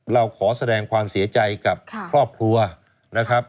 เราขอแสดงความเสียใจกับครอบครัวนะครับ